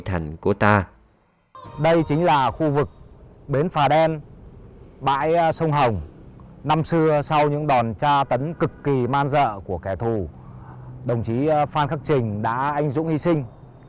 sau những đòn tra tấn cực kỳ man dợ của kẻ thù đồng chí phan khắc trình đã anh dũng hy sinh